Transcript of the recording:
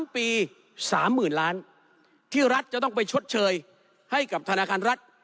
๓ปี๓๐๐๐ล้านที่รัฐจะต้องไปชดเชยให้กับธนาคารรัฐ